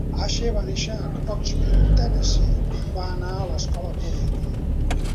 Ashe va néixer a Knoxville, Tennessee, on va anar a l'escola pública.